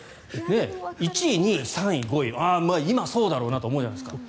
１位、２位、３位、５位今、そうだろうなと思うじゃないですか。